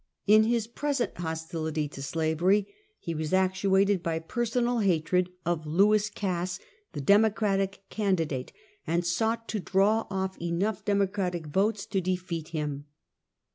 In his present hostility to slavery, he was actuated by personal hatred of Louis Cass, the Democratic candidate, and sought to draw off enough Democratic votes to defeat him.